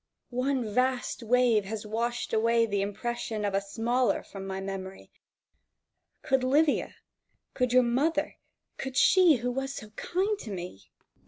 One vast wave has washed away the impression of smaller from my memory. Could Livia, could your mother, could she who was so kind to me Tiheriiis.